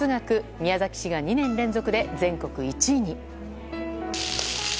宮崎市が２年連続で全国１位に。